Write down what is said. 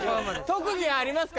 特技はありますか？